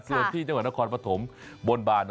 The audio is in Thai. ส่วนที่จังหวัดนครปฐมบนบาน